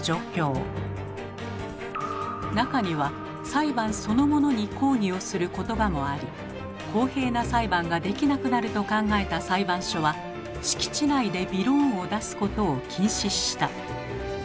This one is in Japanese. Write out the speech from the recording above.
中には裁判そのものに抗議をする言葉もあり公平な裁判ができなくなると考えた裁判所は敷地内でびろーんを出すことを禁止した。